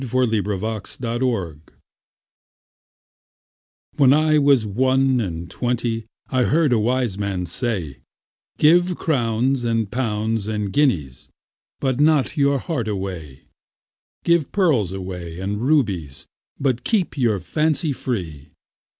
1896. XIII. When I was one and twenty WHEN I was one and twentyI heard a wise man say,'Give crowns and pounds and guineasBut not your heart away; Give pearls away and rubiesBut keep your fancy free.